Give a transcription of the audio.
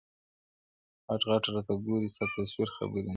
• غټ غټ راته ګوري ستا تصویر خبري نه کوي,